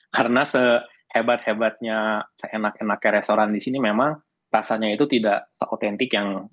karena sehebat hebatnya seenak enaknya restoran di sini memang rasanya itu tidak se autentik yang